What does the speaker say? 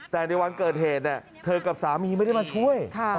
แต่ในวันเกิดเหตุเธอกับสามีไม่ได้มาช่วย